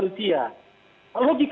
logikanya bagaimana gitu